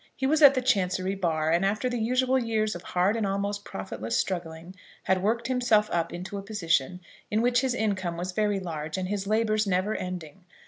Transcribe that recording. He was at the Chancery bar, and after the usual years of hard and almost profitless struggling, had worked himself up into a position in which his income was very large, and his labours never ending.